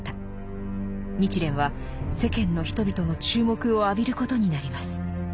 日蓮は世間の人々の注目を浴びることになります。